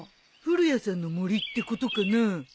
古谷さんの森ってことかな？